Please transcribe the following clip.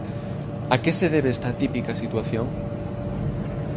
A que se debe esta atípica situación?